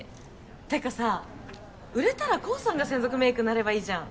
てかさ売れたらコーさんが専属メイクになればいいじゃん。